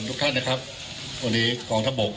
คุณผู้ชมไปฟังผู้ว่ารัฐกาลจังหวัดเชียงรายแถลงตอนนี้ค่ะ